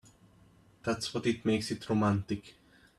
That's what makes it romantic.